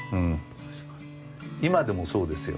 今でもそうですよ。